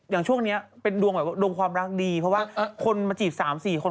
อย่างช่วงนี้เป็นดวงแบบว่าดวงความรักดีเพราะว่าคนมาจีบ๓๔คน